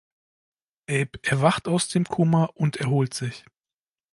Abe erwacht aus dem Koma und erholt sich.